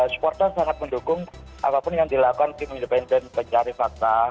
supporter sangat mendukung apapun yang dilakukan tim independen pencari fakta